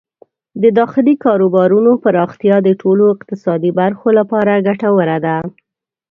د داخلي کاروبارونو پراختیا د ټولو اقتصادي برخو لپاره ګټوره ده.